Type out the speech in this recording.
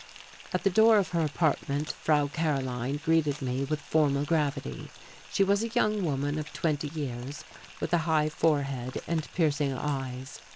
At the door of her apartment Frau Karoline greeted me with formal gravity. She was a young woman of twenty years, with a high forehead and piercing eyes.